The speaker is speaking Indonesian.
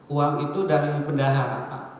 uang itu dari pendahara